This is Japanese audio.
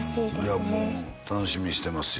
いやもう楽しみにしてますよ